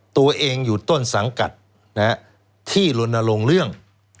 ตัวเองอยู่ต้นสังกัดที่ลนลงเรื่อง